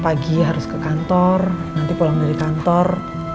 pagi harus ke kantor nanti pulang dari kantor